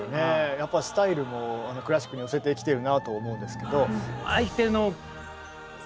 やっぱりスタイルもクラシックに寄せてきてるなと思うんですけど。